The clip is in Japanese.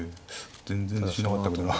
全然自信なかったけどな。